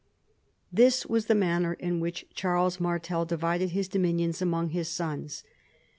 This was the manner in which Charles Martel divided his dominions among his sons.